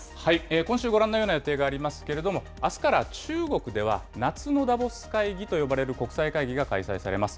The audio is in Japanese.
今週、ご覧のような予定がありますけれどもあすから中国では、夏のダボス会議と呼ばれる国際会議が開催されます。